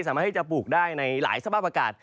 สามารถที่จะปลูกได้ในหลายสภาพอากาศ